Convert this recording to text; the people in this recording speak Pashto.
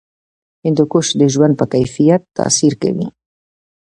هندوکش د ژوند په کیفیت تاثیر کوي.